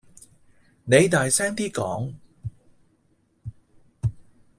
你大聲啲講